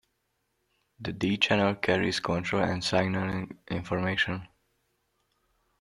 The D-channel carries control and signaling information.